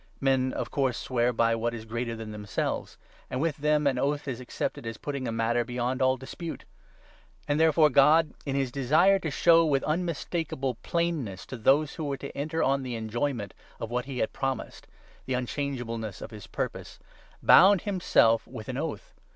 Men, of course, swear by what is 16 greater than themselves, and with them an oath is accepted as putting a matter beyond all dispute. And therefore God, in his 17 desire to show, with unmistakeable plainness, to those who were to enter on the enjoyment of what he had promised, the unchangeableness of his purpose, bound himself with an oath.